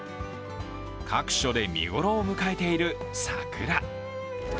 各所で見頃を迎えている桜。